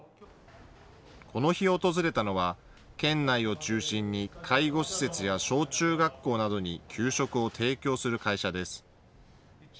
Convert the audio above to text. この日、訪れたのは県内を中心に介護施設や小中学校などに給食を提供する会社です。